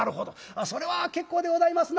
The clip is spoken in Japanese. それは結構でございますな」。